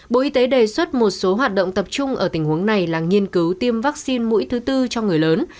bộ y tế đề xuất một số hoạt động tập trung ở tình huống này là nghiên cứu tiêm vaccine mũi thứ tư cho người lớn